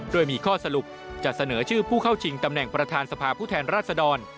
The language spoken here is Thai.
โดยมีข้อสรุปจะเสนอชื่อผู้เข้าชิงตำแหน่งประธานสภาผู้แทนราชดร